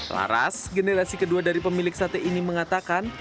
laras generasi kedua dari pemilik sate ini mengatakan